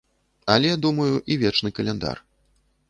Але, думаю, і вечны каляндар.